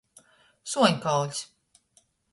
Suonkauļs.